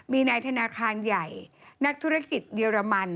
มีนายธนาคารใหญ่นักธุรกิจเยอรมัน